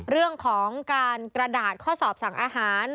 เรื่องของการกระดาษข้อสอบสั่งอาหาร